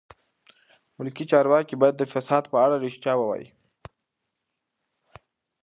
ملکي چارواکي باید د فساد په اړه رښتیا ووایي.